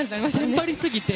テンパりすぎて。